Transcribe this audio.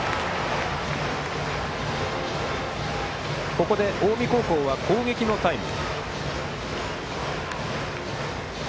ここで近江高校は攻撃のタイム。